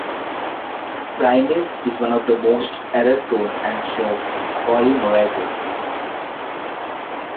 Primase is one of the most error prone and slow polymerases.